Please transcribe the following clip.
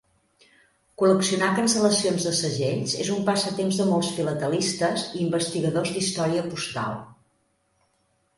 Col·leccionar cancel·lacions de segells és un passatemps de molts filatelistes i investigadors d'història postal.